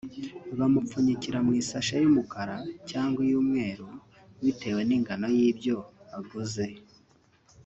bamupfunyikira mu isashe y’umukara cyangwa iy’umweru bitewe n’ingano y’ibyo aguze